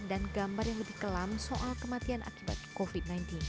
dan gambar yang lebih kelam soal kematian akibat covid sembilan belas